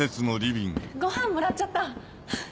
ごはんもらっちゃった。